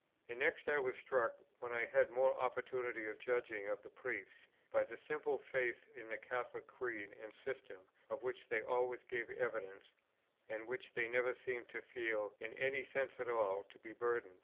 And next, I was struck, when I had more opportunity of judging of the Priests, by the simple faith in the Catholic Creed and system, of which they always gave evidence, and which they never seemed to feel, in any sense at all, to be a burden.